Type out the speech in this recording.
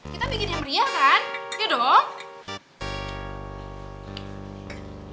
kita bikin yang meriah kan